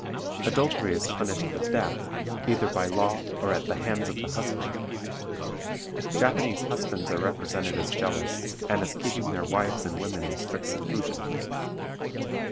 Adultery is punished with death, either by law or at the hands of the husband. Japanese husbands are represented as jealous, and as keeping their wives and women in strict seclusion.